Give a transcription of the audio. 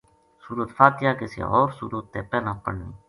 سورت فاتحہ کسے ہور سورت تے پہلاں پڑھنی